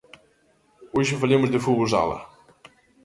Hoxe falemos de fútbol sala.